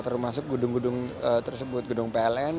termasuk gedung gedung tersebut gedung pln